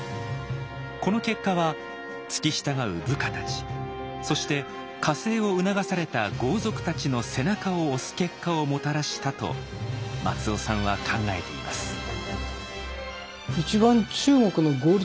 この結果は付き従う部下たちそして加勢を促された豪族たちの背中を押す結果をもたらしたと松尾さんは考えています。